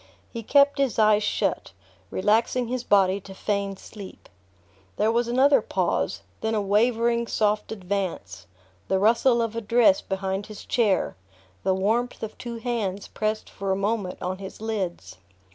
He kept his eyes shut, relaxing his body to feign sleep. There was another pause, then a wavering soft advance, the rustle of a dress behind his chair, the warmth of two hands pressed for a moment on his lids.